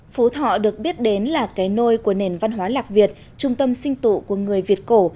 phú thọ được biết đến là cái nôi của nền văn hóa lạc việt trung tâm sinh tụ của người việt cổ